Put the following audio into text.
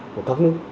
của các nước